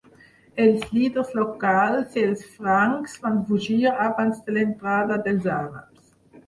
Els líders locals i els francs van fugir abans de l'entrada dels àrabs.